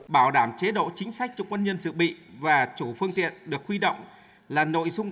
bảo đảm chế độ chính sách cho quân nhân dự bị và chủ phương tiện được huy động là nội dung quan trọng